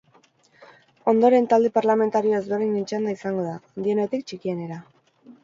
Ondoren talde parlamentario ezberdinen txanda izango da, handienetik txikienera.